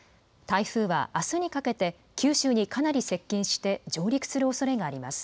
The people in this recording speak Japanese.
台風はあすにかけて、九州にかなり接近して上陸するおそれがあります。